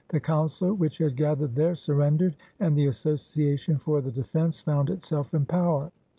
The Council, which had gath ered there, surrendered, and the Association for the Defense found itself in power.